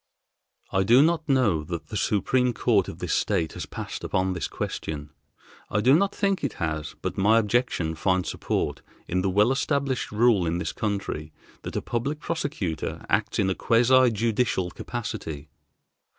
"I do not know that the Supreme Court of this State has passed upon this question. I do not think it has, but my objection finds support in the well established rule in this country, that a public prosecutor acts in a quasi judicial capacity.